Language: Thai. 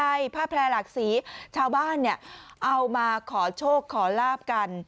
ใช่ผ้าแพร่หลากสีชาวบ้านเนี่ยเอามาขอโชคขอลาบกัน